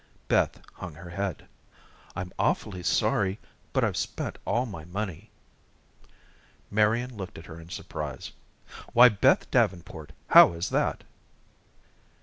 Beth hung her head. "I'm awfully sorry, but I've spent all my money." Marian looked at her in surprise. "Why, Beth Davenport, how is that?"